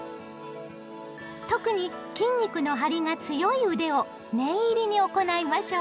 特に筋肉の張りが強い腕を念入りに行いましょう。